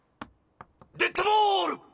デッドボール！